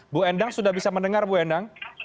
bu endang sudah bisa mendengar bu endang